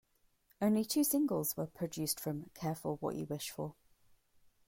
Only two singles were produced from "Careful What You Wish For".